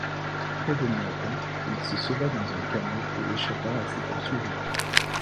Prévenu à temps, il se sauva dans un canot et échappa à ses poursuivants.